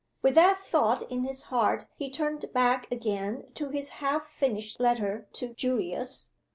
With that thought in his heart he turned back again to his half finished letter to Julius.